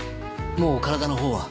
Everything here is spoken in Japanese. もう体のほうは？